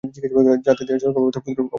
যাতে দেহের সুরক্ষাব্যবস্থা অপ্রতিরোধ্য হয়!